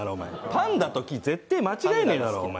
パンダと木絶対間違えねえだろお前。